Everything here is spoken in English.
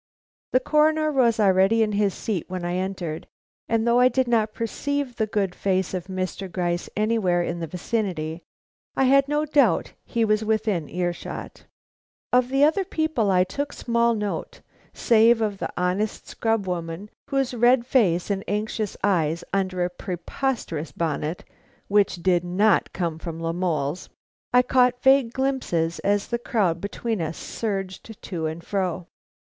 The Coroner was already in his seat when I entered, and though I did not perceive the good face of Mr. Gryce anywhere in his vicinity, I had no doubt he was within ear shot. Of the other people I took small note, save of the honest scrub woman, of whose red face and anxious eyes under a preposterous bonnet (which did not come from La Mole's), I caught vague glimpses as the crowd between us surged to and fro.